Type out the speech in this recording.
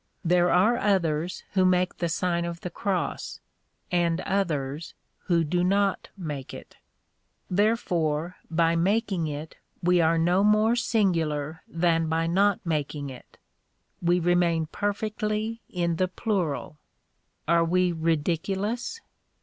There are others who make the Sign of the Cross ; and others who do not make it. Therefore by making it we are no more singular than by not making it, we remain perfectly in the plu ral. Are we ridiculous?